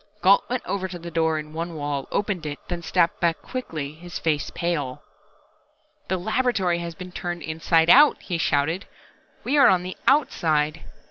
Gault went over to the door in the one wall, opened it, then stepped back quickly, his face pale. "The laboratory has been turned inside out!" he shouted. "We are on the outside!"